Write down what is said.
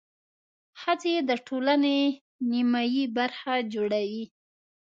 ښځې د ټولنې نميه برخه جوړوي.